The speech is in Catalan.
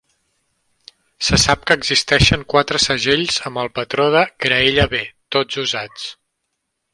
Se sap que existeixen quatre segells amb el patró de "graella B", tots usats.